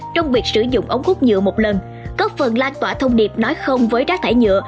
trong việc sử dụng ống hút nhựa một lần có phần lan tỏa thông điệp nói không với rác thải nhựa